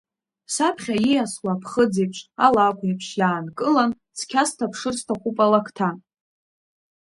Саԥхьа ииасуа аԥхыӡ еиԥш, алакә еиԥш, иаанкылан, цқьа сҭаԥшыр сҭахуп алакҭа.